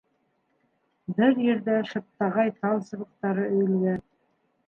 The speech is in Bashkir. Бер ерҙә шыптағай тал сыбыҡтары өйөлгән.